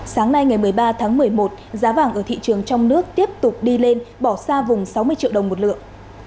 sáng nay ngày một mươi ba tháng một mươi một giá vàng ở thị trường trong nước tiếp tục đi lên bỏ xa vùng sáu mươi triệu đồng một lượng